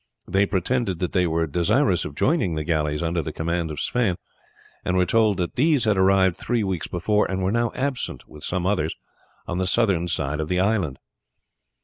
They pretended that they were desirous of joining the galleys under the command of Sweyn, and were told that these had arrived three weeks before, and were now absent with some others on the southern side of the island.